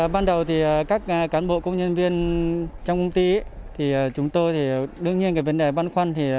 ban đầu các cán bộ công nhân viên trong công ty chúng tôi đương nhiên vấn đề băn khoăn